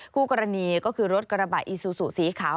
คู่กรณีก็คือรถกระบะอีซูซูสีขาว